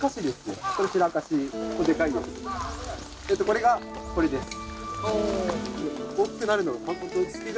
これがこれです。